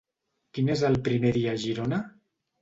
Quin és el primer dia a Girona?